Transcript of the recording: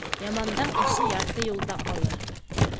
Ямандың эше ярты юлда ҡалыр.